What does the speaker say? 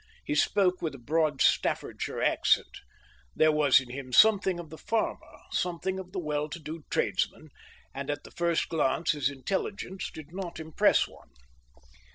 He spoke with a broad Staffordshire accent. There was in him something of the farmer, something of the well to do tradesman, and at the first glance his intelligence did not impress one.